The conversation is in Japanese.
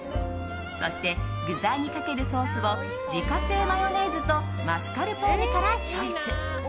そして具材にかけるソースを自家製マヨネーズとマスカルポーネからチョイス。